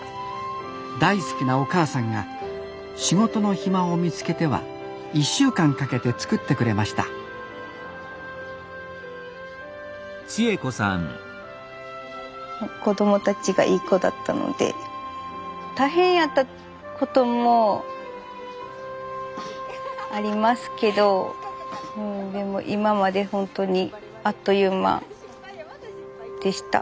大好きなお母さんが仕事の暇を見つけては１週間かけて作ってくれました子どもたちがいい子だったので大変やったこともありますけどうんでも今までほんとにあっという間でした。